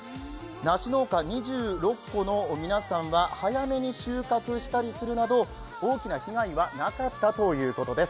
梨農家２６戸の皆さんは早めに収穫したりするなど大きな被害はなかったということです。